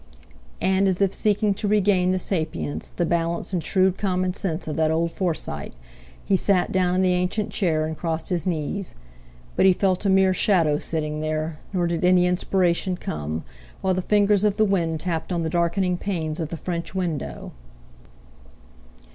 And as if seeking to regain the sapience, the balance and shrewd common sense of that old Forsyte, he sat down in the ancient chair and crossed his knees. But he felt a mere shadow sitting there; nor did any inspiration come, while the fingers of the wind tapped on the darkening panes of the french window.